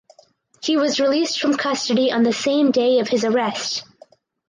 He was released from custody on the same day of his arrest.